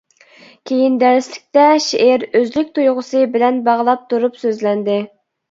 كېيىن دەرسلىكتە شېئىر «ئۆزلۈك تۇيغۇسى» بىلەن باغلاپ تۇرۇپ سۆزلەندى.